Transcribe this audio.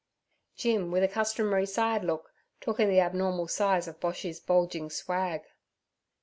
Jim, with a customary side look, took in the abnormal size of Boshy's bulging swag.